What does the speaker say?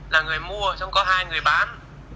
là người mua trong có hai người bán